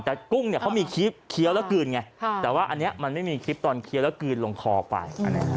แต่กุ้งเนี่ยเขามีคลิปเคี้ยวแล้วกลืนไงแต่ว่าอันนี้มันไม่มีคลิปตอนเคี้ยวแล้วกลืนลงคอไป